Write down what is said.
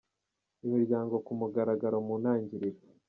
imiryango ku mugaragaro mu ntangiriro.